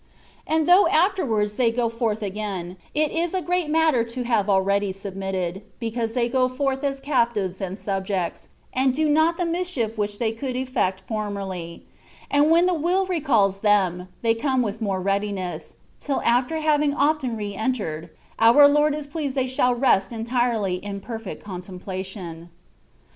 And though afterwards they go forth again^ it is a great matter to have alr^dy submitted, because they go forth as captives and subjects, and do not the mischief which they could eflFect formerly; and when the will recalls them, they come with more readiness, till after having often re entered, our Lord is pleased that they shall rest entirely in perfect contemplation.